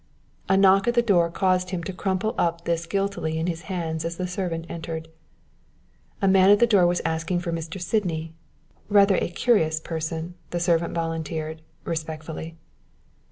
A knock at the door caused him to crumple this up guiltily in his hands as the servant entered. A man was at the door asking for Mr. Sydney rather a curious person, the servant volunteered, respectfully.